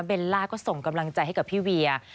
ล่าก็ส่งกำลังใจให้กับพี่เวีย